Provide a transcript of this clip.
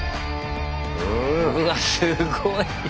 うわすごい。